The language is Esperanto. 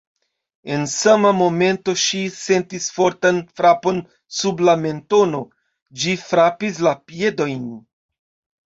En sama momento ŝi sentis fortan frapon sub la mentono. Ĝi frapis la piedojn!